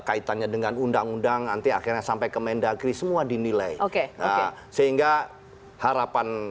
kaitannya dengan undang undang nanti akhirnya sampai ke mendagri semua dinilai oke sehingga harapan